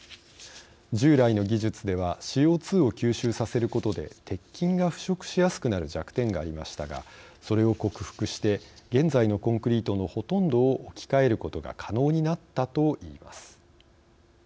従来の技術ではＣＯ２を吸収させることで鉄筋が腐食しやすくなる弱点がありましたがそれを克服して現在のコンクリートのほとんどを置き換えることが可能になったといいます。